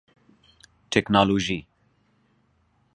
ټکنالوژي